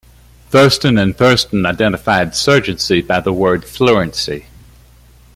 Thurstone and Thurstone identified surgency by the word "fluency".